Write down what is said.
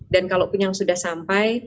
dan kalaupun yang sudah sampai